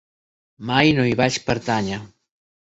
Mai no hi vaig pertànyer.